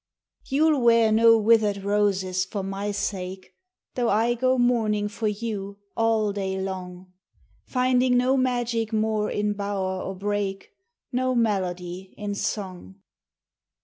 You '11 wear no withered roses for my sake, Though I go mourning for you all day long, Finding no magic more in bower or brake, No melody in song.